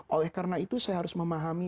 oleh karena itu saya harus memahami